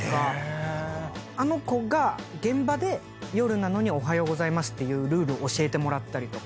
あの子が現場で夜なのにおはようございますって言うルールを教えてもらったりとか。